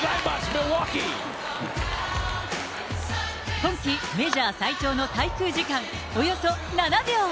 今季メジャー最長の滞空時間およそ７秒。